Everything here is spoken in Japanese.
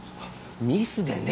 ミスでね。